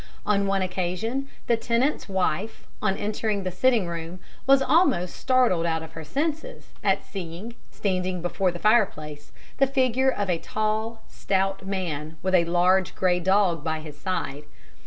On one occasion the tenant's wife, on entering the sitting room, was almost startled out of her senses at seeing, standing before the fireplace, the figure of a tall, stout man with a large, grey dog by his side.